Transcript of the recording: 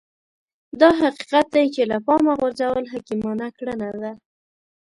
دا حقيقت دی چې له پامه غورځول حکيمانه کړنه ده.